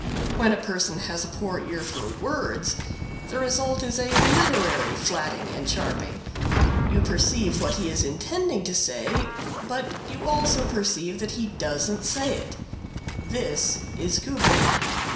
When a person has a poor ear for words, the result is a literary flatting and sharping; you perceive what he is intending to say, but you also perceive that he doesn't say it. This is Cooper.